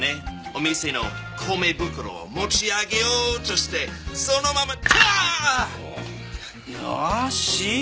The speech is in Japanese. お店の米袋を持ち上げようとしてそのままターッ！